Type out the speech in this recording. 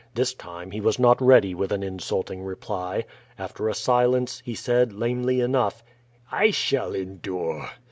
This time he was not ready with an insulting reply. After a silence, he said, lamely enough: "I &hall endure!"